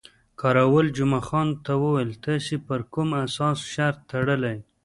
کراول جمعه خان ته وویل، تاسې پر کوم اس شرط تړلی؟